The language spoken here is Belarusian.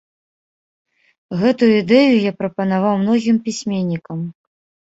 Гэтую ідэю я прапанаваў многім пісьменнікам.